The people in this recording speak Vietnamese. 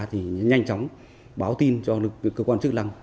thì nhanh chóng báo tin cho cơ quan chức năng